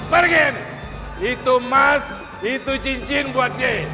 pergi ini itu mas itu cincin buat ye